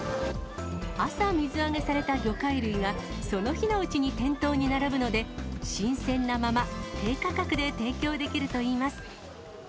朝、水揚げされた魚介類がその日のうちに店頭に並ぶので、新鮮なまま、低価格で提供できるといいます。